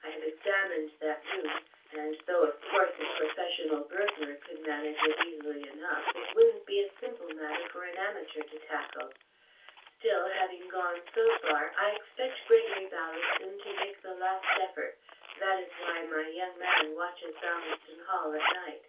I have examined that room, and, though of course a professional burglar could manage it easily enough, it wouldn't be a simple matter for an amateur to tackle. Still, having gone so far, I expect Gregory Ballaston to make the last effort. That is why my young man watches Ballaston Hall at night."